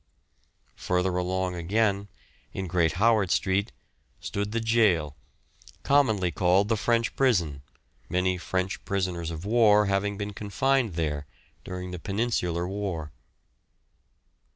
Further along again, in Great Howard Street, stood the jail, commonly called the French prison, many French prisoners of war having been confined there during the Peninsular war.